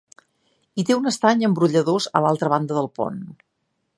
Hi té un estany amb brolladors a l'altra banda del pont.